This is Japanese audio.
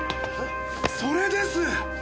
それです！